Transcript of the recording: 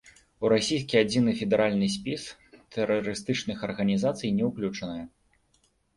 У расійскі адзіны федэральны спіс тэрарыстычных арганізацый не ўключаная.